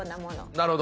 なるほど。